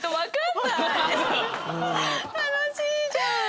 楽しいじゃん！